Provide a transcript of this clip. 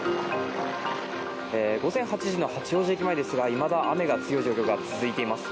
午前８時の八王子駅前ですがいまだ雨が強い状況が続いています。